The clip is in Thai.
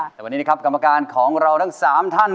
แต่วันนี้นะครับกรรมการของเราทั้ง๓ท่าน